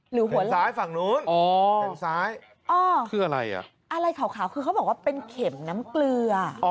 หัวซ้ายฝั่งนู้นอ๋องซ้ายคืออะไรอ่ะอะไรขาวคือเขาบอกว่าเป็นเข็มน้ำเกลือ